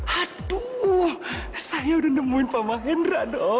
aduh wah saya udah nemuin pak mahendra dong